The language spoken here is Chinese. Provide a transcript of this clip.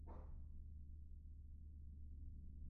在港时就读于圣保罗男女小学及中学。